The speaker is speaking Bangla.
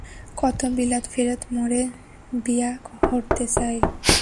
কত বিলাত ফেরত মোরে বিয়া হরতে চায়।